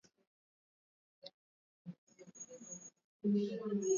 Kuwepo na matonematone kwenye maziwa yanayokamuliwa ni dalili za ndwa